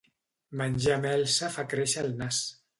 Menjar melsa fa créixer el nas.